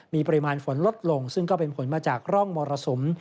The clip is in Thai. มีปริมาณฝนลดลงซึ่งก็เป็นผลมาจากร่องมรสุม